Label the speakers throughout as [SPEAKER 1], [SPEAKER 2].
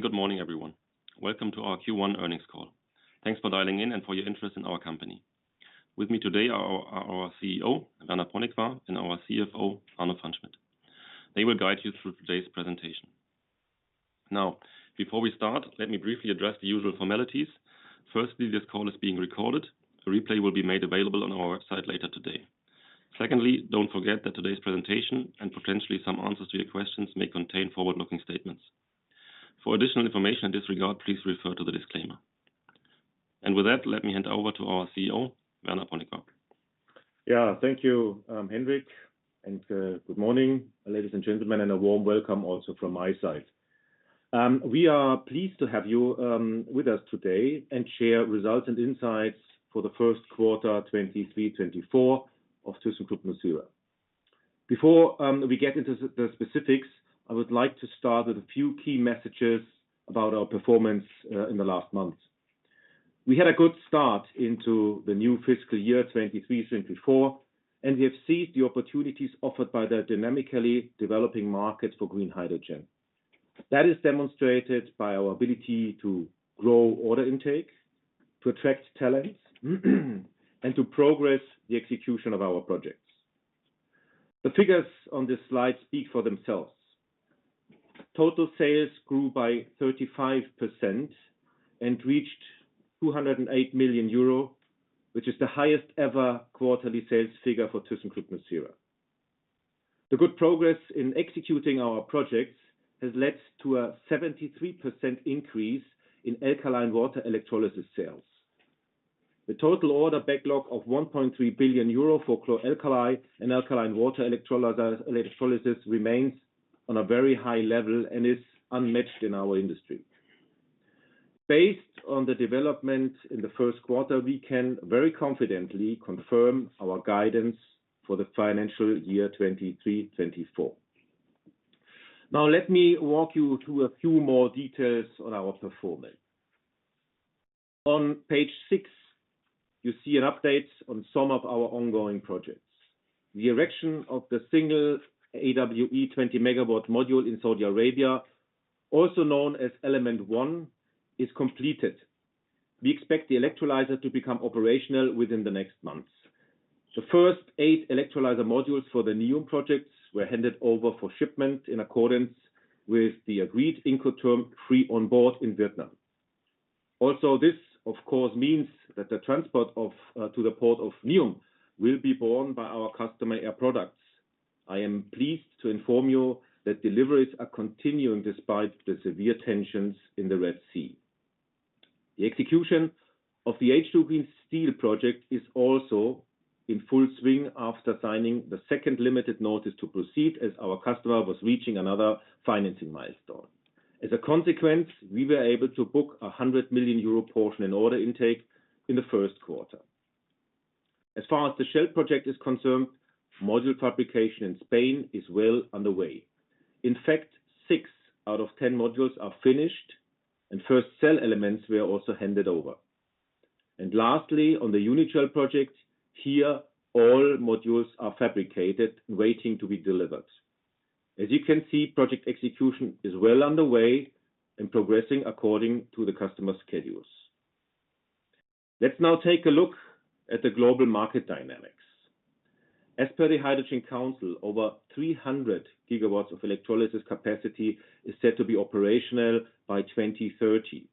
[SPEAKER 1] Good morning, everyone. Welcome to our Q1 earnings call. Thanks for dialing in and for your interest in our company. With me today are our CEO, Werner Ponikwar, and our CFO, Arno Pfannschmidt. They will guide you through today's presentation. Now, before we start, let me briefly address the usual formalities. Firstly, this call is being recorded. A replay will be made available on our website later today. Secondly, don't forget that today's presentation and potentially some answers to your questions may contain forward-looking statements. For additional information in this regard, please refer to the disclaimer. With that, let me hand over to our CEO, Werner Ponikwar.
[SPEAKER 2] Yeah, thank you, Hendrik, and good morning, ladies and gentlemen, and a warm welcome also from my side. We are pleased to have you with us today and share results and insights for the first quarter 2023/2024 of thyssenkrupp Nucera. Before we get into the specifics, I would like to start with a few key messages about our performance in the last month. We had a good start into the new fiscal year 2023/2024, and we have seized the opportunities offered by the dynamically developing market for green hydrogen. That is demonstrated by our ability to grow order intake, to attract talent, and to progress the execution of our projects. The figures on this slide speak for themselves. Total sales grew by 35% and reached 208 million euro, which is the highest-ever quarterly sales figure for thyssenkrupp Nucera. The good progress in executing our projects has led to a 73% increase in alkaline water electrolysis sales. The total order backlog of 1.3 billion euro for chlor-alkali and alkaline water electrolysis remains on a very high level and is unmatched in our industry. Based on the development in the first quarter, we can very confidently confirm our guidance for the financial year 2023/2024. Now, let me walk you through a few more details on our performance. On page six, you see an update on some of our ongoing projects. The erection of the single AWE 20 MW module in Saudi Arabia, also known as Element One, is completed. We expect the electrolyzer to become operational within the next months. The first 8 electrolyzer modules for the NEOM projects were handed over for shipment in accordance with the agreed Incoterm Free On Board in Vietnam. Also, this, of course, means that the transport to the port of NEOM will be borne by our customer Air Products. I am pleased to inform you that deliveries are continuing despite the severe tensions in the Red Sea. The execution of the H2 Green Steel project is also in full swing after signing the second limited notice to proceed as our customer was reaching another financing milestone. As a consequence, we were able to book a 100 million euro portion in order intake in the first quarter. As far as the Shell project is concerned, module fabrication in Spain is well underway. In fact, six out of 10 modules are finished, and first cell elements were also handed over. And lastly, on the Unigel project, here, all modules are fabricated and waiting to be delivered. As you can see, project execution is well underway and progressing according to the customer's schedules. Let's now take a look at the global market dynamics. As per the Hydrogen Council, over 300 GW of electrolysis capacity is set to be operational by 2030,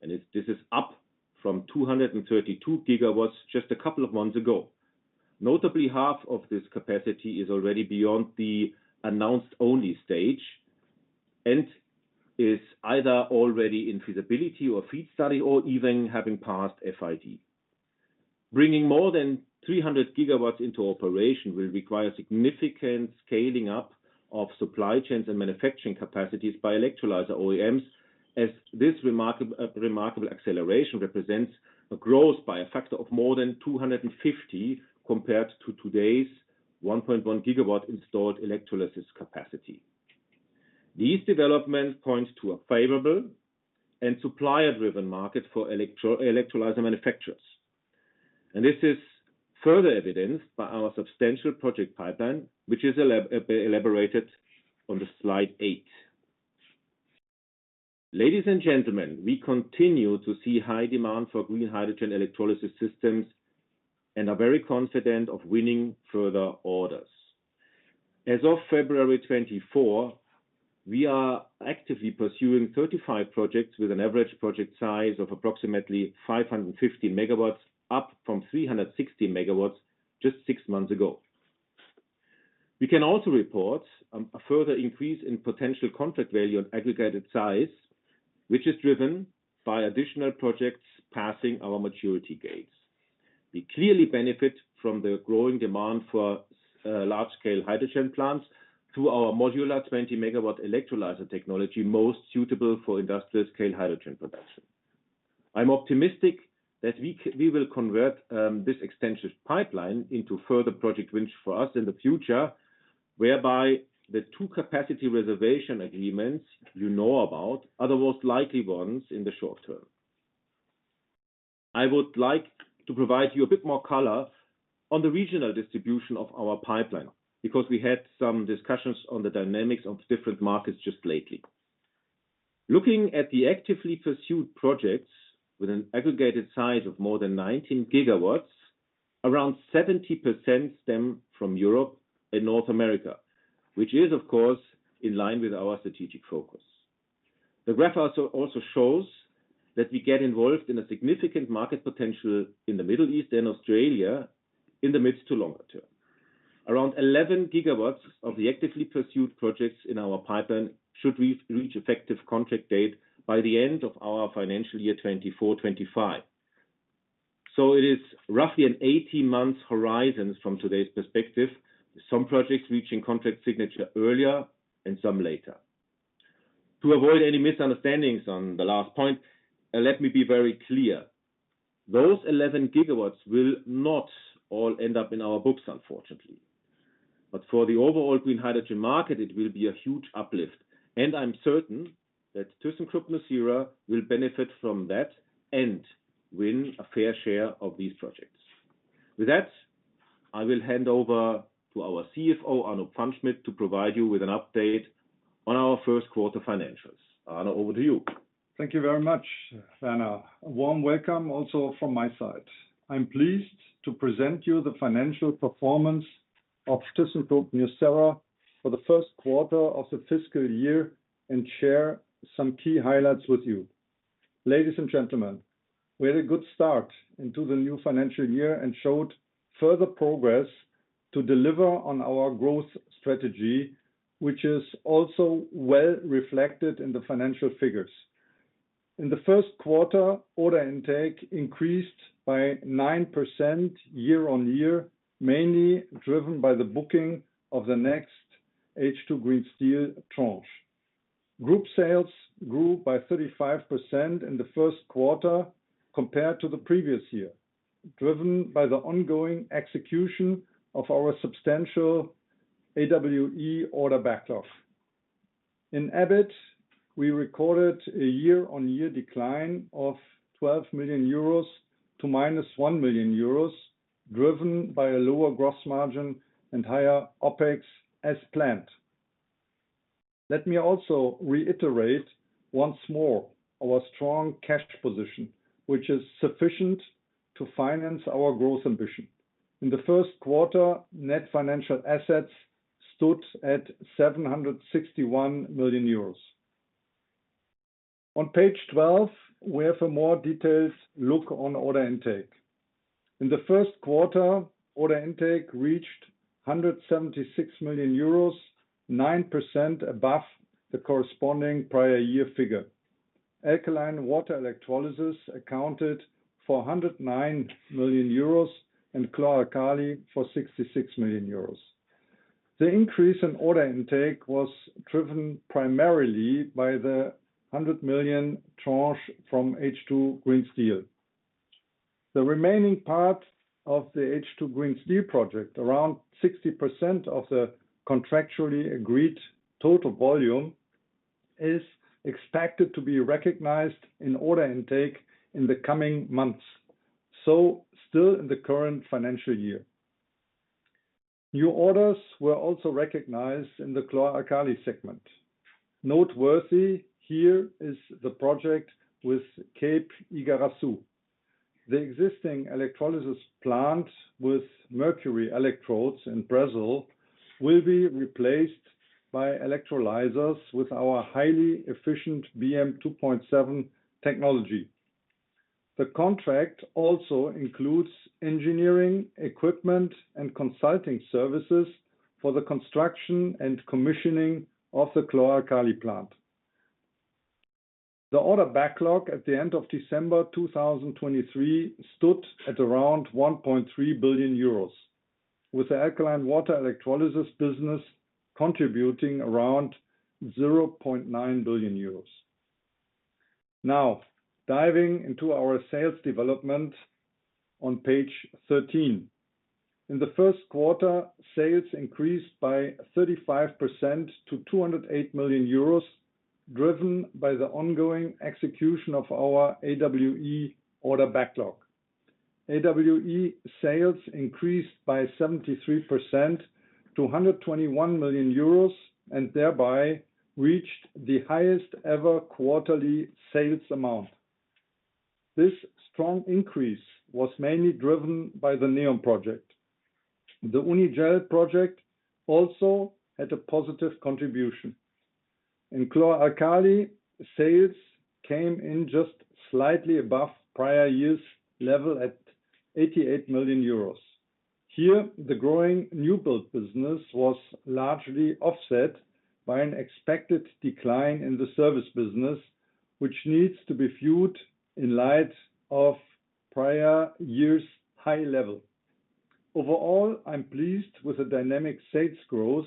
[SPEAKER 2] and this is up from 232 GW just a couple of months ago. Notably, half of this capacity is already beyond the announced-only stage and is either already in feasibility or FEED study or even having passed FID. Bringing more than 300 GW into operation will require significant scaling up of supply chains and manufacturing capacities by electrolyzer OEMs, as this remarkable acceleration represents a growth by a factor of more than 250 compared to today's 1.1 GW installed electrolysis capacity. These developments point to a favorable and supplier-driven market for electrolyzer manufacturers. This is further evidenced by our substantial project pipeline, which is elaborated on slide 8. Ladies and gentlemen, we continue to see high demand for green hydrogen electrolysis systems and are very confident of winning further orders. As of February 24, 2024, we are actively pursuing 35 projects with an average project size of approximately 515 MW, up from 360 MW just six months ago. We can also report a further increase in potential contract value and aggregated size, which is driven by additional projects passing our maturity gates. We clearly benefit from the growing demand for large-scale hydrogen plants through our modular 20 MW electrolyzer technology, most suitable for industrial-scale hydrogen production. I'm optimistic that we will convert this extensive pipeline into further project wins for us in the future, whereby the two capacity reservation agreements you know about are the most likely ones in the short term. I would like to provide you a bit more color on the regional distribution of our pipeline because we had some discussions on the dynamics of different markets just lately. Looking at the actively pursued projects with an aggregated size of more than 19 GW, around 70% stem from Europe and North America, which is, of course, in line with our strategic focus. The graph also shows that we get involved in a significant market potential in the Middle East and Australia in the mid- to long-term. Around 11 GW of the actively pursued projects in our pipeline should reach effective contract date by the end of our financial year 2024/25. So it is roughly an 18-month horizon from today's perspective, some projects reaching contract signature earlier and some later. To avoid any misunderstandings on the last point, let me be very clear. Those 11 GW will not all end up in our books, unfortunately. But for the overall Green Hydrogen market, it will be a huge uplift, and I'm certain that thyssenkrupp Nucera will benefit from that and win a fair share of these projects. With that, I will hand over to our CFO, Arno Pfannschmidt, to provide you with an update on our first quarter financials. Arno, over to you.
[SPEAKER 3] Thank you very much, Werner. A warm welcome also from my side. I'm pleased to present you the financial performance of thyssenkrupp Nucera for the first quarter of the fiscal year and share some key highlights with you. Ladies and gentlemen, we had a good start into the new financial year and showed further progress to deliver on our growth strategy, which is also well reflected in the financial figures. In the first quarter, order intake increased by 9% year-over-year, mainly driven by the booking of the next H2 Green Steel tranche. Group sales grew by 35% in the first quarter compared to the previous year, driven by the ongoing execution of our substantial AWE order backlog. In EBIT, we recorded a year-over-year decline of 12 million euros to -1 million euros, driven by a lower gross margin and higher OpEx as planned. Let me also reiterate once more our strong cash position, which is sufficient to finance our growth ambition. In the first quarter, net financial assets stood at 761 million euros. On page 12, we have a more detailed look on order intake. In the first quarter, order intake reached 176 million euros, 9% above the corresponding prior year figure. Alkaline Water Electrolysis accounted for 109 million euros and chlor-alkali for 66 million euros. The increase in order intake was driven primarily by the 100 million tranche from H2 Green Steel. The remaining part of the H2 Green Steel project, around 60% of the contractually agreed total volume, is expected to be recognized in order intake in the coming months, so still in the current financial year. New orders were also recognized in the chlor-alkali segment. Noteworthy here is the project with Unipar in Igarassu. The existing electrolysis plant with mercury electrodes in Brazil will be replaced by electrolyzers with our highly efficient BM 2.7 technology. The contract also includes engineering equipment and consulting services for the construction and commissioning of the Chlor-Alkali plant. The order backlog at the end of December 2023 stood at around 1.3 billion euros, with the Alkaline Water Electrolysis business contributing around 0.9 billion euros. Now, diving into our sales development on page 13. In the first quarter, sales increased by 35% to 208 million euros, driven by the ongoing execution of our AWE order backlog. AWE sales increased by 73% to 121 million euros and thereby reached the highest-ever quarterly sales amount. This strong increase was mainly driven by the NEOM project. The Unigel project also had a positive contribution. In Chlor-Alkali sales, sales came in just slightly above prior year's level at 88 million euros. Here, the growing new build business was largely offset by an expected decline in the service business, which needs to be viewed in light of prior year's high level. Overall, I'm pleased with the dynamic sales growth,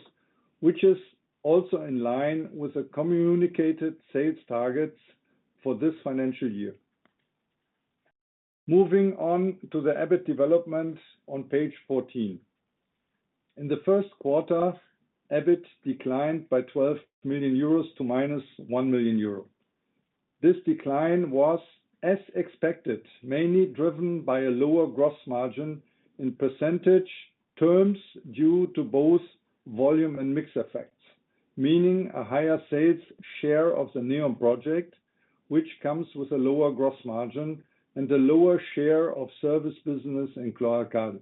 [SPEAKER 3] which is also in line with the communicated sales targets for this financial year. Moving on to the EBIT development on page 14. In the first quarter, EBIT declined by 12 million euros to -1 million euro. This decline was, as expected, mainly driven by a lower gross margin in percentage terms due to both volume and mix effects, meaning a higher sales share of the NEOM project, which comes with a lower gross margin and a lower share of service business in chlor-alkali.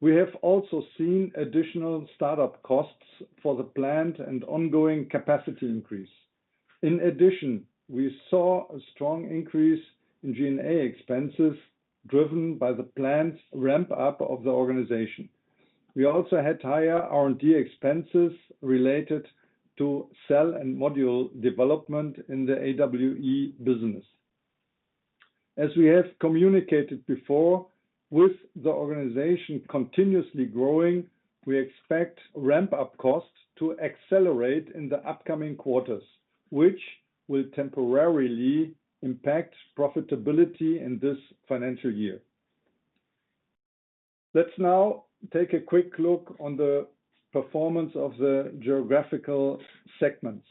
[SPEAKER 3] We have also seen additional startup costs for the plant and ongoing capacity increase. In addition, we saw a strong increase in G&A expenses driven by the planned ramp-up of the organization. We also had higher R&D expenses related to cell and module development in the AWE business. As we have communicated before, with the organization continuously growing, we expect ramp-up costs to accelerate in the upcoming quarters, which will temporarily impact profitability in this financial year. Let's now take a quick look on the performance of the geographical segments.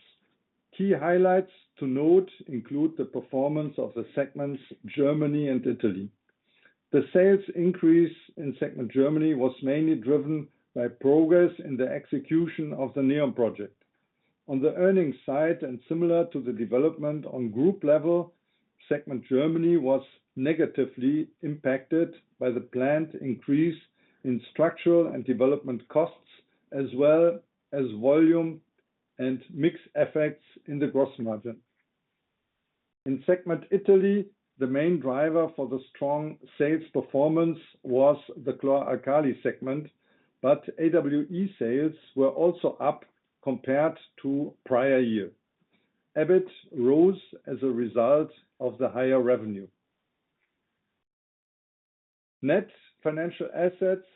[SPEAKER 3] Key highlights to note include the performance of the segments Germany and Italy. The sales increase in segment Germany was mainly driven by progress in the execution of the NEOM project. On the earnings side, and similar to the development on group level, segment Germany was negatively impacted by the planned increase in structural and development costs, as well as volume and mix effects in the gross margin. In segment Italy, the main driver for the strong sales performance was the chlor-alkali segment, but AWE sales were also up compared to prior year. EBIT rose as a result of the higher revenue. Net financial assets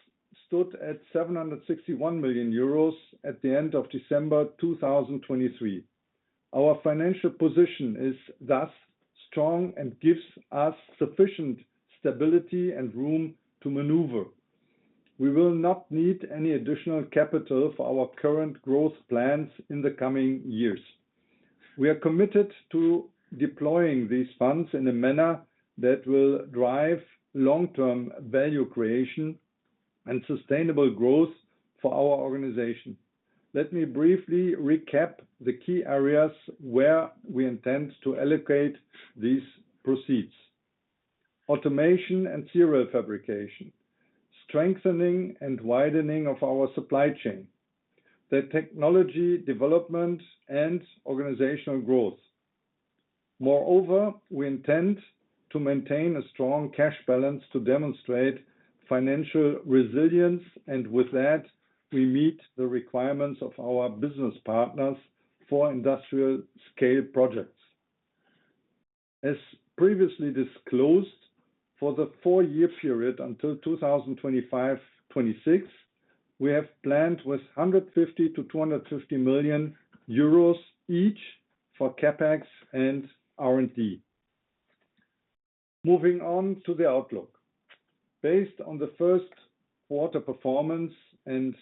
[SPEAKER 3] stood at 761 million euros at the end of December 2023. Our financial position is thus strong and gives us sufficient stability and room to maneuver. We will not need any additional capital for our current growth plans in the coming years. We are committed to deploying these funds in a manner that will drive long-term value creation and sustainable growth for our organization. Let me briefly recap the key areas where we intend to allocate these proceeds: automation and serial fabrication, strengthening and widening of our supply chain, the technology development, and organizational growth. Moreover, we intend to maintain a strong cash balance to demonstrate financial resilience, and with that, we meet the requirements of our business partners for industrial-scale projects. As previously disclosed, for the four-year period until 2025/2026, we have planned with 150 million-250 million euros each for CapEx and R&D. Moving on to the outlook. Based on the first quarter performance and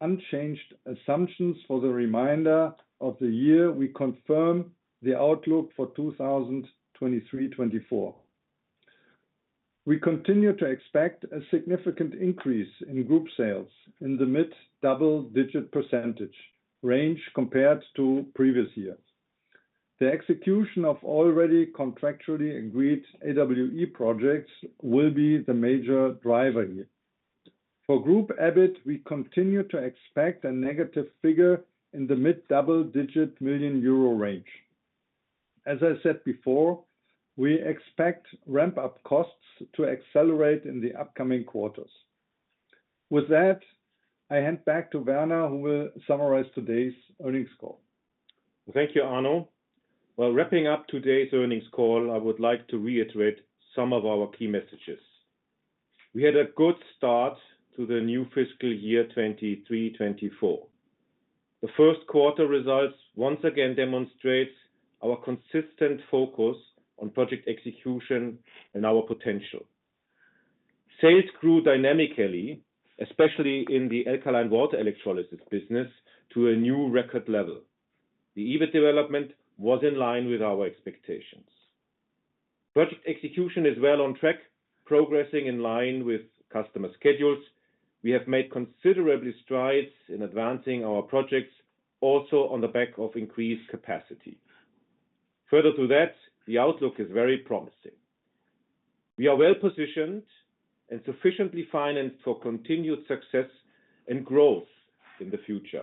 [SPEAKER 3] unchanged assumptions for the remainder of the year, we confirm the outlook for 2023/2024. We continue to expect a significant increase in group sales in the mid-double-digit % range compared to previous years. The execution of already contractually agreed AWE projects will be the major driver here. For group EBIT, we continue to expect a negative figure in the mid-double-digit million Euro range. As I said before, we expect ramp-up costs to accelerate in the upcoming quarters. With that, I hand back to Werner, who will summarize today's earnings call.
[SPEAKER 2] Thank you, Arno. While wrapping up today's earnings call, I would like to reiterate some of our key messages. We had a good start to the new fiscal year 2023/2024. The first quarter results once again demonstrate our consistent focus on project execution and our potential. Sales grew dynamically, especially in the alkaline water electrolysis business, to a new record level. The EBIT development was in line with our expectations. Project execution is well on track, progressing in line with customer schedules. We have made considerable strides in advancing our projects, also on the back of increased capacity. Further to that, the outlook is very promising. We are well positioned and sufficiently financed for continued success and growth in the future.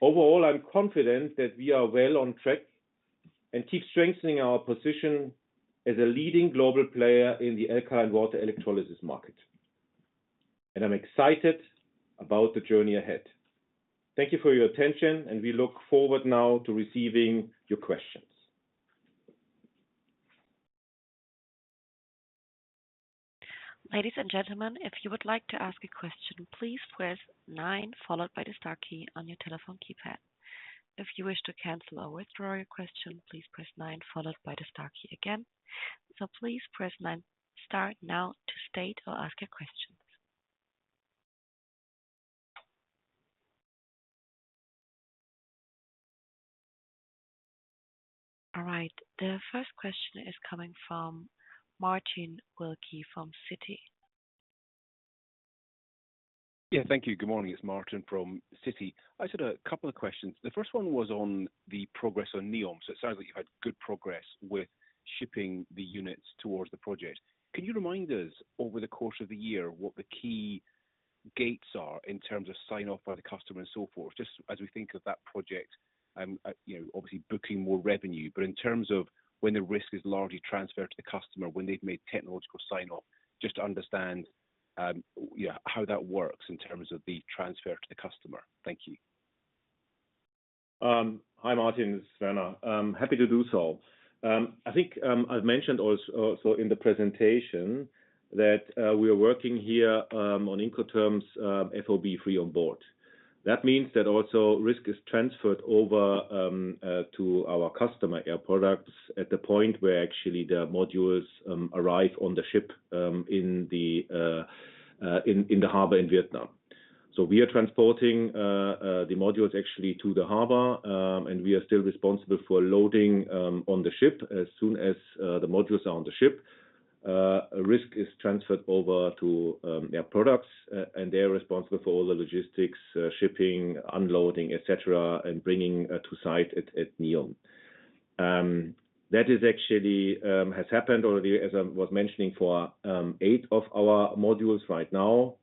[SPEAKER 2] Overall, I'm confident that we are well on track and keep strengthening our position as a leading global player in the alkaline water electrolysis market. I'm excited about the journey ahead. Thank you for your attention, and we look forward now to receiving your questions.
[SPEAKER 4] Ladies and gentlemen, if you would like to ask a question, please press nine followed by the star key on your telephone keypad. If you wish to cancel or withdraw your question, please press nine followed by the star key again. So please press nine star now to state or ask your questions. All right, the first question is coming from Martin Wilkie from Citi.
[SPEAKER 5] Yeah, thank you. Good morning. It's Martin from Citi. I had a couple of questions. The first one was on the progress on NEOM. So it sounds like you've had good progress with shipping the units towards the project. Can you remind us over the course of the year what the key gates are in terms of sign-off by the customer and so forth? Just as we think of that project, obviously booking more revenue, but in terms of when the risk is largely transferred to the customer, when they've made technological sign-off, just to understand how that works in terms of the transfer to the customer. Thank you.
[SPEAKER 2] Hi, Martin. This is Werner. Happy to do so. I think I've mentioned also in the presentation that we are working here on Incoterms FOB free on board. That means that also risk is transferred over to our customer Air Products at the point where actually the modules arrive on the ship in the harbor in Vietnam. So we are transporting the modules actually to the harbor, and we are still responsible for loading on the ship as soon as the modules are on the ship. Risk is transferred over to Air Products, and they are responsible for all the logistics, shipping, unloading, etc., and bringing to site at NEOM. That has happened already, as I was mentioning, for eight of our modules right now.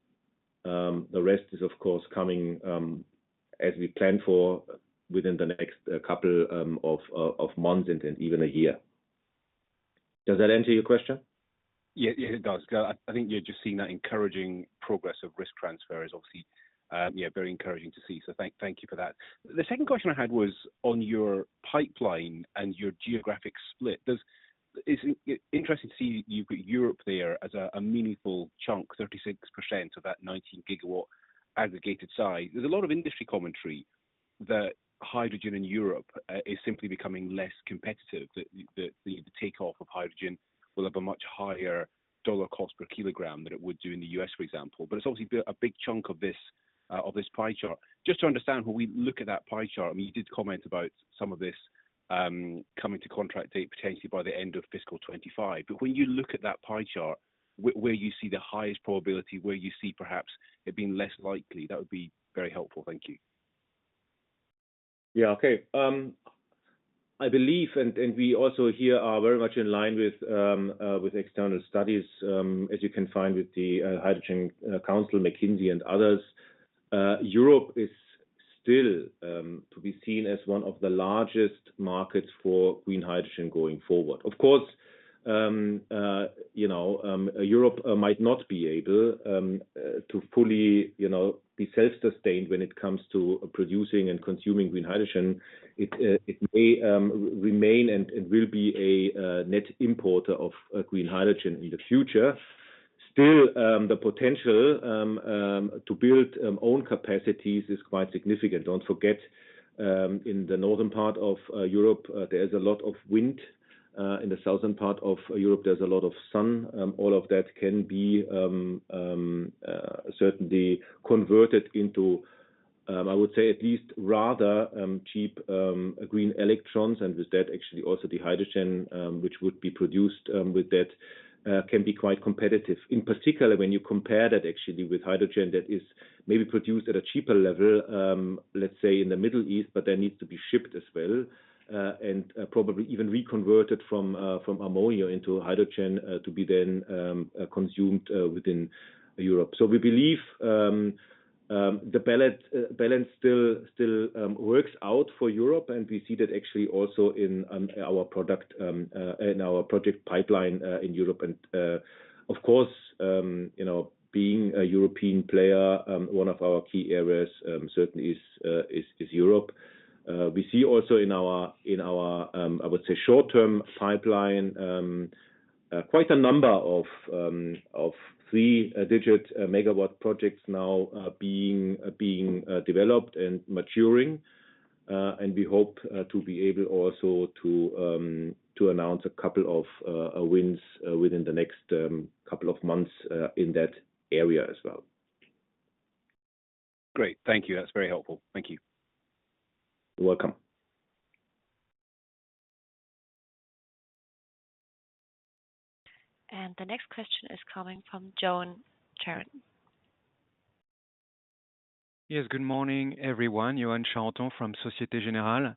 [SPEAKER 2] The rest is, of course, coming as we planned for within the next couple of months and even a year. Does that answer your question?
[SPEAKER 5] Yeah, it does. I think you're just seeing that encouraging progress of risk transfer is obviously very encouraging to see. So thank you for that. The second question I had was on your pipeline and your geographic split. It's interesting to see you've got Europe there as a meaningful chunk, 36% of that 19 GW aggregated size. There's a lot of industry commentary that hydrogen in Europe is simply becoming less competitive, that the takeoff of hydrogen will have a much higher dollar cost per kilogram than it would do in the U.S., for example. But it's obviously a big chunk of this pie chart. Just to understand, when we look at that pie chart, I mean, you did comment about some of this coming to contract date potentially by the end of fiscal 2025. But when you look at that pie chart, where you see the highest probability, where you see perhaps it being less likely, that would be very helpful. Thank you.
[SPEAKER 2] Yeah, okay. I believe, and we also here are very much in line with external studies, as you can find with the Hydrogen Council, McKinsey, and others. Europe is still to be seen as one of the largest markets for green hydrogen going forward. Of course, Europe might not be able to fully be self-sustained when it comes to producing and consuming green hydrogen. It may remain and will be a net importer of green hydrogen in the future. Still, the potential to build own capacities is quite significant. Don't forget, in the northern part of Europe, there is a lot of wind. In the southern part of Europe, there's a lot of sun. All of that can be certainly converted into, I would say, at least rather cheap green electrons. And with that, actually also the hydrogen, which would be produced with that, can be quite competitive. In particular, when you compare that actually with hydrogen that is maybe produced at a cheaper level, let's say in the Middle East, but then needs to be shipped as well and probably even reconverted from ammonia into hydrogen to be then consumed within Europe. So we believe the balance still works out for Europe, and we see that actually also in our product in our project pipeline in Europe. And of course, being a European player, one of our key areas certainly is Europe. We see also in our, I would say, short-term pipeline, quite a number of three-digit megawatt projects now being developed and maturing. And we hope to be able also to announce a couple of wins within the next couple of months in that area as well.
[SPEAKER 5] Great. Thank you. That's very helpful. Thank you.
[SPEAKER 2] You're welcome.
[SPEAKER 4] The next question is coming from Yoann Charenton.
[SPEAKER 6] Yes, good morning, everyone. Yoann Charenton from Société Générale.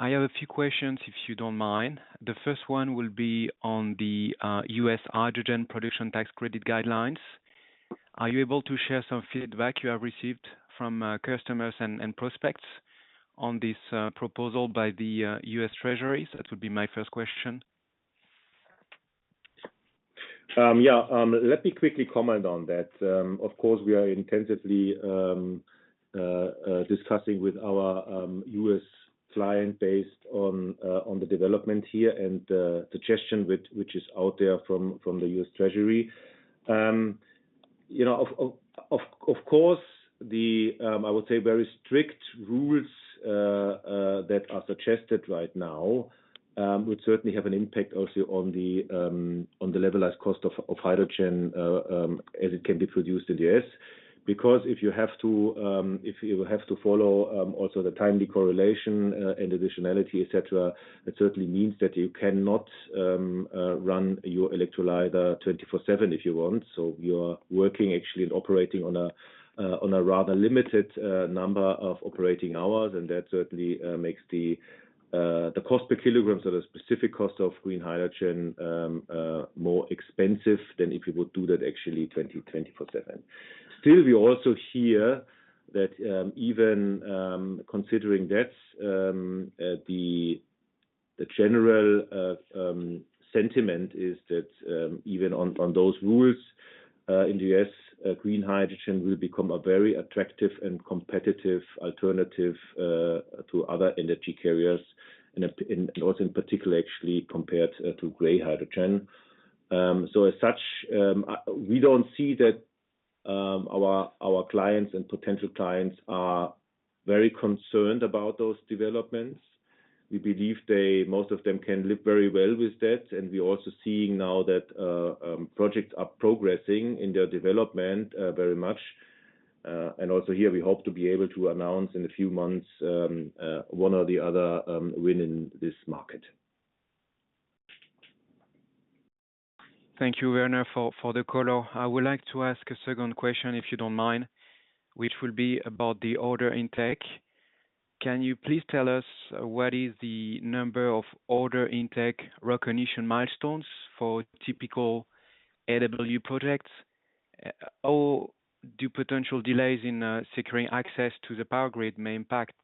[SPEAKER 6] I have a few questions, if you don't mind. The first one will be on the U.S. Hydrogen Production Tax Credit Guidelines. Are you able to share some feedback you have received from customers and prospects on this proposal by the U.S. Treasury? That would be my first question.
[SPEAKER 2] Yeah, let me quickly comment on that. Of course, we are intensively discussing with our US client based on the development here and the suggestion which is out there from the U.S. Treasury. Of course, the, I would say, very strict rules that are suggested right now would certainly have an impact also on the levelized cost of hydrogen as it can be produced in the U.S.. Because if you have to follow also the timely correlation and additionality, etc., that certainly means that you cannot run your electrolyzer 24/7 if you want. So you're working actually and operating on a rather limited number of operating hours, and that certainly makes the cost per kilogram, so the specific cost of green hydrogen, more expensive than if you would do that actually 24/7. Still, we also hear that even considering that, the general sentiment is that even on those rules in the U.S., Green Hydrogen will become a very attractive and competitive alternative to other energy carriers, and also in particular actually compared to gray hydrogen. So as such, we don't see that our clients and potential clients are very concerned about those developments. We believe most of them can live very well with that. And we're also seeing now that projects are progressing in their development very much. And also here, we hope to be able to announce in a few months one or the other win in this market.
[SPEAKER 6] Thank you, Werner, for the color. I would like to ask a second question, if you don't mind, which will be about the order intake. Can you please tell us what is the number of order intake recognition milestones for typical AW projects? Or do potential delays in securing access to the power grid may impact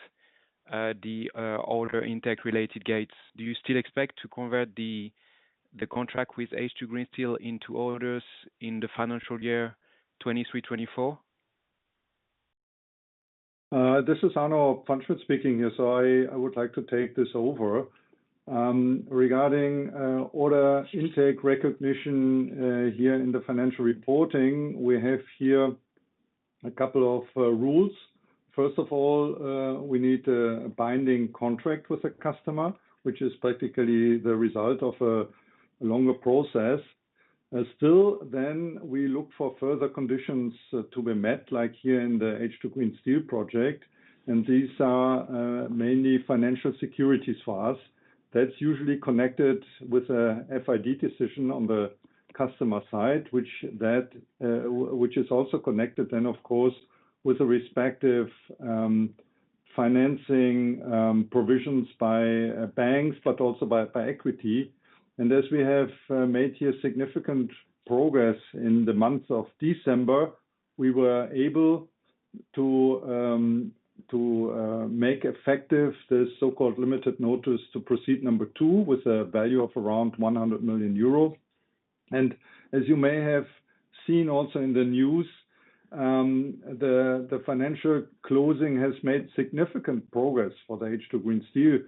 [SPEAKER 6] the order intake-related gates? Do you still expect to convert the contract with H2 Green Steel into orders in the financial year 2023/2024?
[SPEAKER 3] This is Arno Pfannschmidt speaking here. So I would like to take this over. Regarding order intake recognition here in the financial reporting, we have here a couple of rules. First of all, we need a binding contract with a customer, which is practically the result of a longer process. Still, then we look for further conditions to be met, like here in the H2 Green Steel project. And these are mainly financial securities for us. That's usually connected with an FID decision on the customer side, which is also connected then, of course, with the respective financing provisions by banks, but also by equity. And as we have made here significant progress in the months of December, we were able to make effective the so-called limited notice to proceed number two with a value of around 100 million euro. As you may have seen also in the news, the financial closing has made significant progress for the H2 Green Steel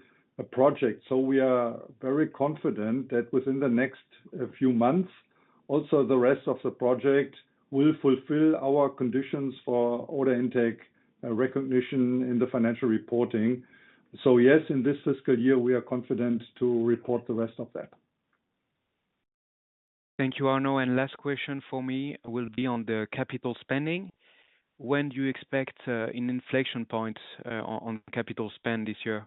[SPEAKER 3] project. We are very confident that within the next few months, also the rest of the project will fulfill our conditions for order intake recognition in the financial reporting. Yes, in this fiscal year, we are confident to report the rest of that.
[SPEAKER 6] Thank you, Arno. Last question for me will be on the capital spending. When do you expect an inflation point on capital spend this year?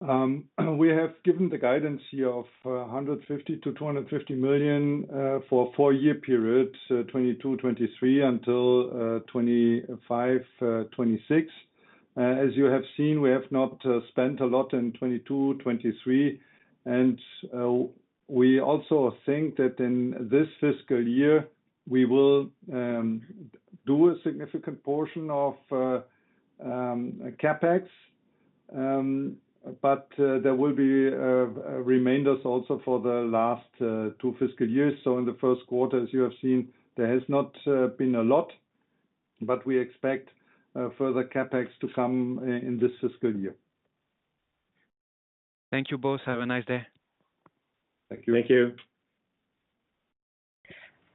[SPEAKER 3] We have given the guidance here of 150 million-250 million for a four-year period, 2022/2023 until 2025/2026. As you have seen, we have not spent a lot in 2022/2023. We also think that in this fiscal year, we will do a significant portion of CapEx. There will be remainders also for the last two fiscal years. In the first quarter, as you have seen, there has not been a lot. We expect further CapEx to come in this fiscal year.
[SPEAKER 6] Thank you both. Have a nice day.
[SPEAKER 3] Thank you.
[SPEAKER 2] Thank you.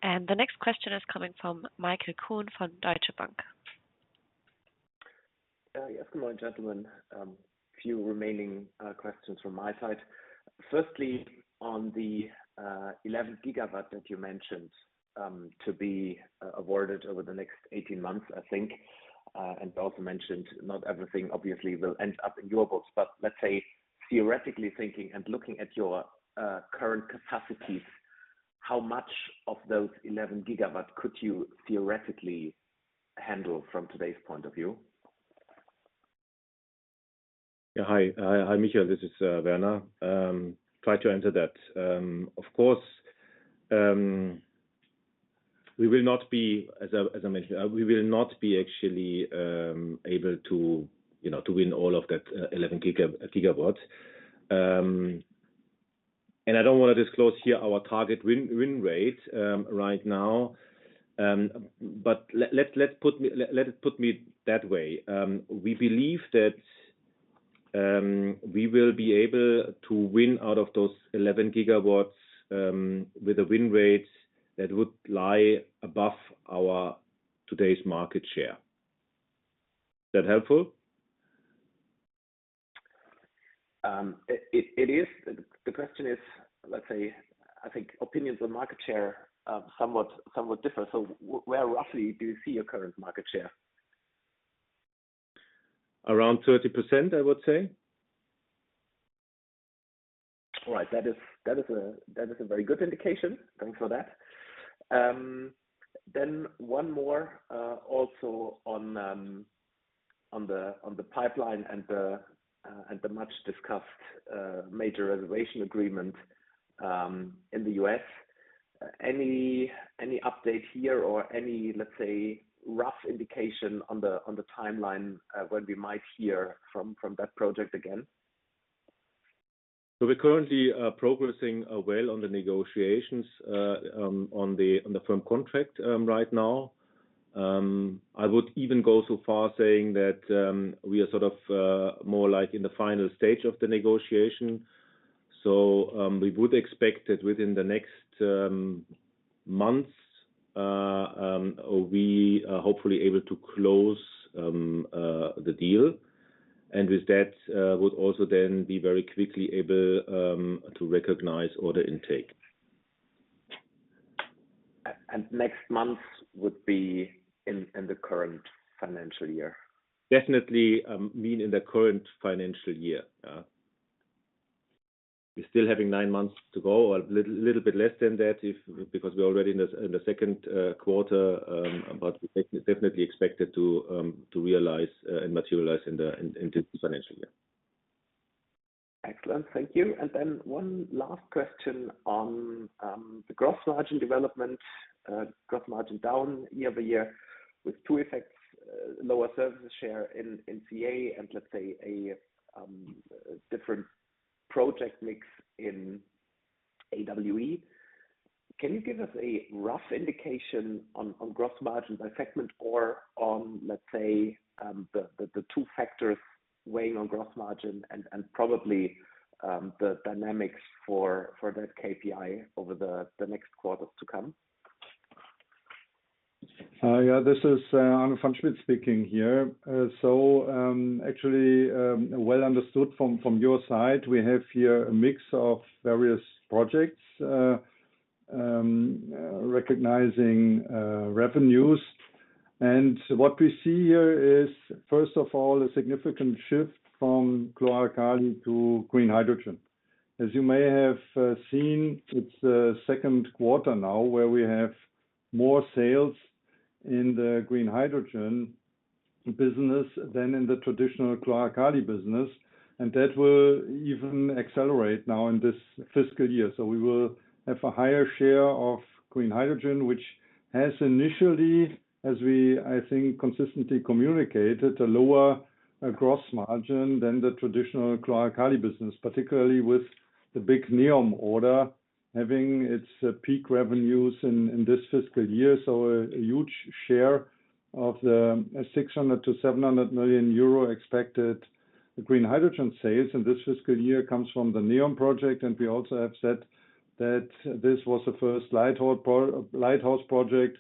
[SPEAKER 4] The next question is coming from Michael Kuhn from Deutsche Bank.
[SPEAKER 7] Yes, good morning, gentlemen. A few remaining questions from my side. Firstly, on the 11 GW that you mentioned to be awarded over the next 18 months, I think, and also mentioned not everything obviously will end up in your books, but let's say, theoretically thinking and looking at your current capacities, how much of those 11 GW could you theoretically handle from today's point of view?
[SPEAKER 2] Yeah, hi. Hi, Michael. This is Werner. Tried to answer that. Of course, we will not be, as I mentioned, we will not be actually able to win all of that 11 GW. And I don't want to disclose here our target win rate right now. But let me put it that way. We believe that we will be able to win out of those 11 GW with a win rate that would lie above our today's market share. Is that helpful?
[SPEAKER 7] It is. The question is, let's say, I think opinions on market share somewhat differ. So where roughly do you see your current market share?
[SPEAKER 2] Around 30%, I would say.
[SPEAKER 7] All right. That is a very good indication. Thanks for that. Then one more also on the pipeline and the much-discussed major reservation agreement in the U.S. Any update here or any, let's say, rough indication on the timeline when we might hear from that project again?
[SPEAKER 2] So we're currently progressing well on the negotiations on the firm contract right now. I would even go so far saying that we are sort of more like in the final stage of the negotiation. So we would expect that within the next months, we're hopefully able to close the deal. And with that, would also then be very quickly able to recognize order intake.
[SPEAKER 7] Next months would be in the current financial year?
[SPEAKER 2] Definitely mean in the current financial year. Yeah. We're still having nine months to go or a little bit less than that because we're already in the second quarter, but we definitely expect it to realize and materialize in this financial year.
[SPEAKER 7] Excellent. Thank you. And then one last question on the gross margin development, gross margin down year-over-year with two effects: lower services share in CA and, let's say, a different project mix in AWE. Can you give us a rough indication on gross margin by segment or on, let's say, the two factors weighing on gross margin and probably the dynamics for that KPI over the next quarters to come?
[SPEAKER 3] Yeah, this is Arno Pfannschmidt speaking here. So actually, well understood from your side, we have here a mix of various projects recognizing revenues. And what we see here is, first of all, a significant shift from chlor-alkali to green hydrogen. As you may have seen, it's the second quarter now where we have more sales in the green hydrogen business than in the traditional chlor-alkali business. And that will even accelerate now in this fiscal year. So we will have a higher share of green hydrogen, which has initially, as we, I think, consistently communicated, a lower gross margin than the traditional chlor-alkali business, particularly with the big NEOM order having its peak revenues in this fiscal year. So a huge share of the 600 million-700 million euro expected green hydrogen sales in this fiscal year comes from the NEOM project. And we also have said that this was the first lighthouse project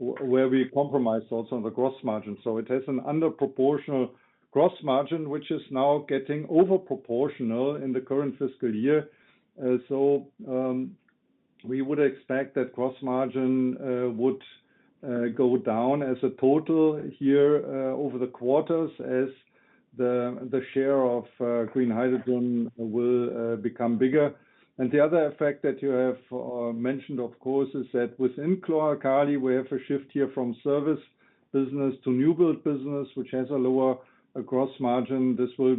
[SPEAKER 3] where we compromised also on the gross margin. So it has an underproportional gross margin, which is now getting overproportional in the current fiscal year. So we would expect that gross margin would go down as a total here over the quarters as the share of green hydrogen will become bigger. And the other effect that you have mentioned, of course, is that within chlor-alkali, we have a shift here from service business to new build business, which has a lower gross margin. This will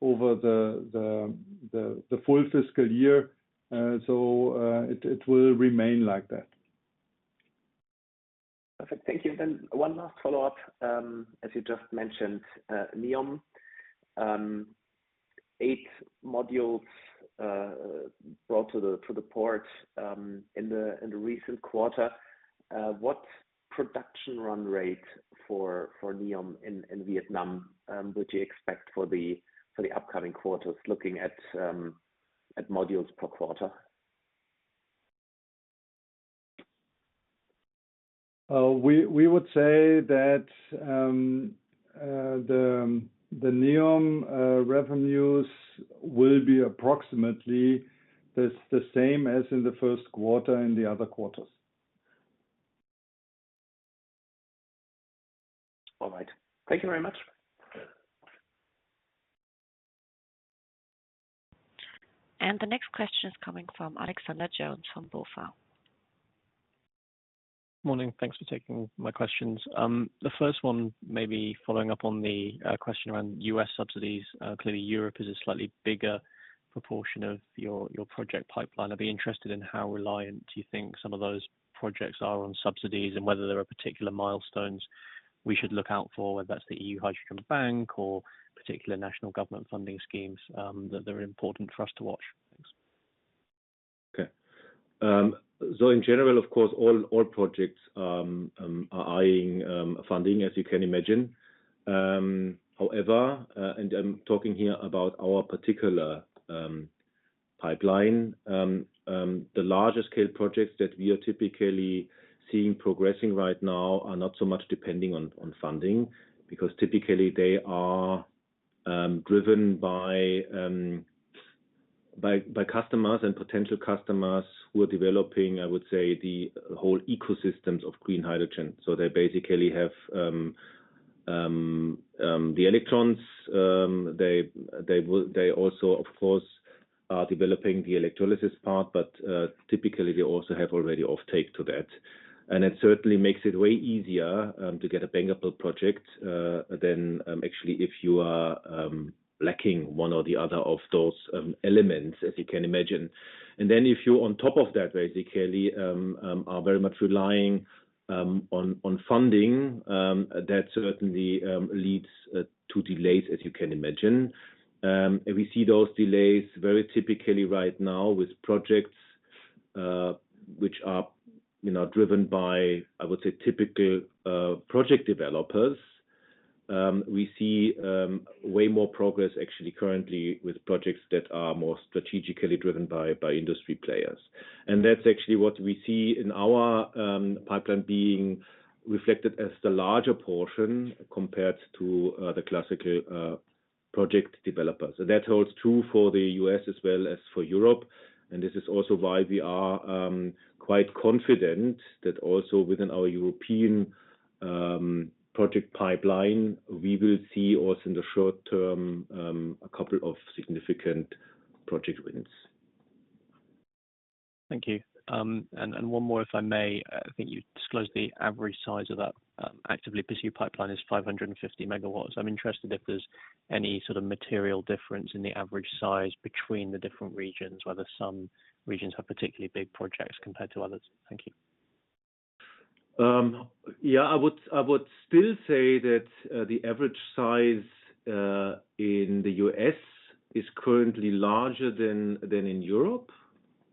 [SPEAKER 3] be over the full fiscal year. So it will remain like that.
[SPEAKER 7] Perfect. Thank you. Then one last follow-up. As you just mentioned, NEOM, 8 modules brought to the port in the recent quarter. What production run rate for NEOM in Vietnam would you expect for the upcoming quarters, looking at modules per quarter?
[SPEAKER 3] We would say that the NEOM revenues will be approximately the same as in the first quarter in the other quarters.
[SPEAKER 7] All right. Thank you very much.
[SPEAKER 4] The next question is coming from Alexander Jones from BofA.
[SPEAKER 8] Morning. Thanks for taking my questions. The first one, maybe following up on the question around U.S. subsidies, clearly Europe is a slightly bigger proportion of your project pipeline. I'd be interested in how reliant you think some of those projects are on subsidies and whether there are particular milestones we should look out for, whether that's the E.U. Hydrogen Bank or particular national government funding schemes that are important for us to watch. Thanks.
[SPEAKER 2] Okay. So in general, of course, all projects are eyeing funding, as you can imagine. However, and I'm talking here about our particular pipeline, the larger-scale projects that we are typically seeing progressing right now are not so much depending on funding because typically, they are driven by customers and potential customers who are developing, I would say, the whole ecosystems of green hydrogen. So they basically have the electrons. They also, of course, are developing the electrolysis part, but typically, they also have already offtake to that. And it certainly makes it way easier to get a bankable project than actually if you are lacking one or the other of those elements, as you can imagine. And then if you, on top of that, basically are very much relying on funding, that certainly leads to delays, as you can imagine. We see those delays very typically right now with projects which are driven by, I would say, typical project developers. We see way more progress, actually, currently with projects that are more strategically driven by industry players. That's actually what we see in our pipeline being reflected as the larger portion compared to the classical project developers. That holds true for the U.S. as well as for Europe. This is also why we are quite confident that also within our European project pipeline, we will see also in the short term a couple of significant project wins.
[SPEAKER 8] Thank you. And one more, if I may. I think you disclosed the average size of that actively pursued pipeline is 550 MW. I'm interested if there's any sort of material difference in the average size between the different regions, whether some regions have particularly big projects compared to others. Thank you.
[SPEAKER 2] Yeah, I would still say that the average size in the U.S. is currently larger than in Europe.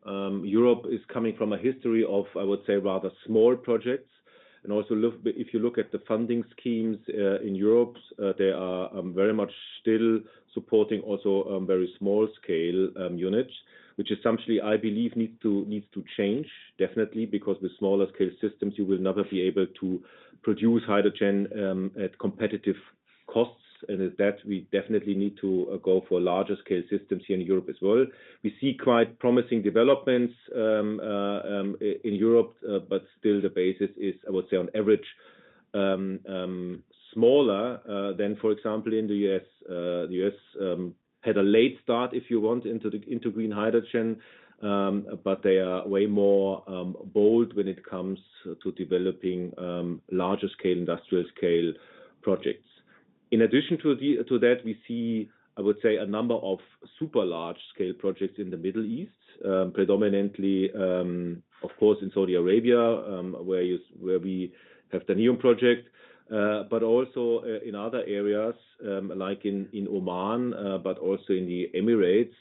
[SPEAKER 2] Europe is coming from a history of, I would say, rather small projects. And also, if you look at the funding schemes in Europe, they are very much still supporting also very small-scale units, which essentially, I believe, needs to change, definitely, because with smaller-scale systems, you will never be able to produce hydrogen at competitive costs. And with that, we definitely need to go for larger-scale systems here in Europe as well. We see quite promising developments in Europe, but still, the basis is, I would say, on average smaller than, for example, in the U.S. The U.S. had a late start, if you want, into green hydrogen, but they are way more bold when it comes to developing larger-scale, industrial-scale projects. In addition to that, we see, I would say, a number of super large-scale projects in the Middle East, predominantly, of course, in Saudi Arabia, where we have the NEOM project, but also in other areas like in Oman, but also in the Emirates.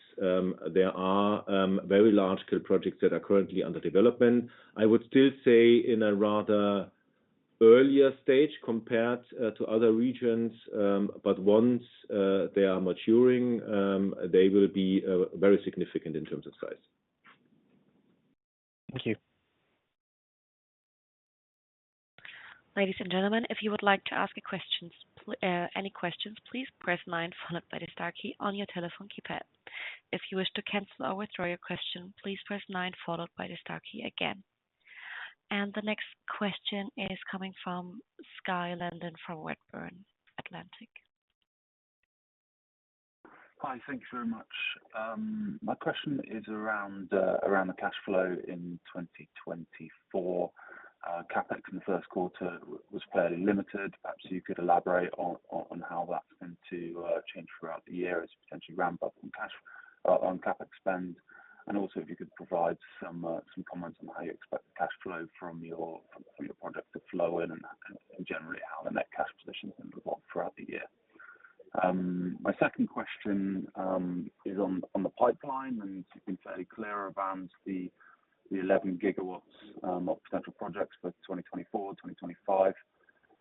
[SPEAKER 2] There are very large-scale projects that are currently under development. I would still say in a rather earlier stage compared to other regions, but once they are maturing, they will be very significant in terms of size.
[SPEAKER 8] Thank you.
[SPEAKER 4] Ladies and gentlemen, if you would like to ask any questions, please press nine followed by the star key on your telephone keypad. If you wish to cancel or withdraw your question, please press nine followed by the star key again. The next question is coming from Skye Landon from Redburn Atlantic.
[SPEAKER 9] Hi. Thanks very much. My question is around the cash flow in 2024. CapEx in the first quarter was fairly limited. Perhaps you could elaborate on how that's going to change throughout the year as you potentially ramp up on CapEx spend. And also, if you could provide some comments on how you expect the cash flow from your project to flow in and generally how the net cash position's going to evolve throughout the year. My second question is on the pipeline, and you've been fairly clear around the 11 GW of potential projects for 2024, 2025,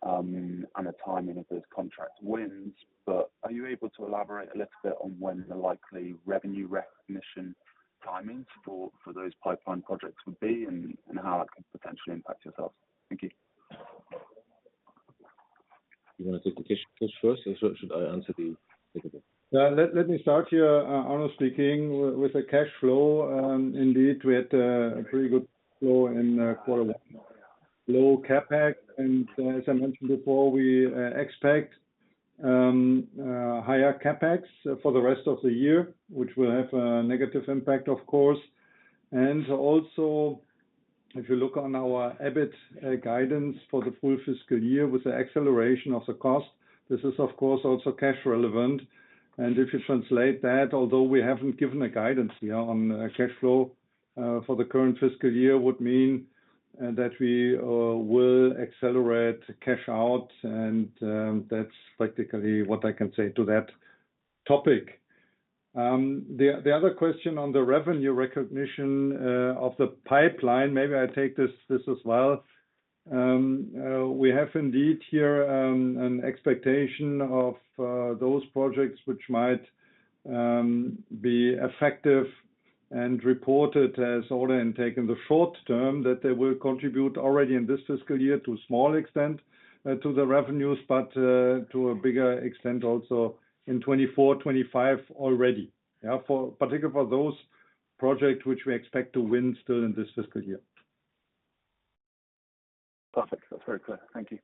[SPEAKER 9] and the timing of those contract wins. But are you able to elaborate a little bit on when the likely revenue recognition timings for those pipeline projects would be and how that could potentially impact yourselves? Thank you.
[SPEAKER 2] You want to take the question first, or should I answer the second one?
[SPEAKER 3] Let me start here, honestly speaking, with the cash flow. Indeed, we had a pretty good flow in quarter one, low CapEx. As I mentioned before, we expect higher CapEx for the rest of the year, which will have a negative impact, of course. Also, if you look on our EBIT guidance for the full fiscal year with the acceleration of the cost, this is, of course, also cash relevant. If you translate that, although we haven't given a guidance here on cash flow for the current fiscal year, would mean that we will accelerate cash out. That's practically what I can say to that topic. The other question on the revenue recognition of the pipeline, maybe I take this as well. We have indeed here an expectation of those projects which might be effective and reported as order intake in the short term that they will contribute already in this fiscal year to a small extent to the revenues, but to a bigger extent also in 2024, 2025 already, particularly for those projects which we expect to win still in this fiscal year.
[SPEAKER 9] Perfect. That's very clear. Thank you.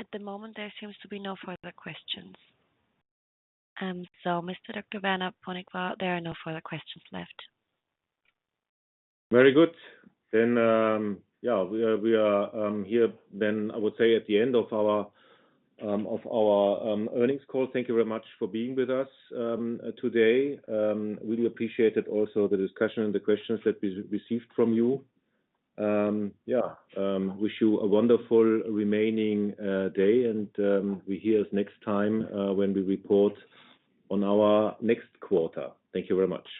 [SPEAKER 4] At the moment, there seems to be no further questions. So, Mr. Dr. Werner Ponikwar, there are no further questions left.
[SPEAKER 2] Very good. Then, yeah, we are here, then, I would say, at the end of our earnings call. Thank you very much for being with us today. Really appreciated also the discussion and the questions that we received from you. Yeah, wish you a wonderful remaining day. And we hear us next time when we report on our next quarter. Thank you very much.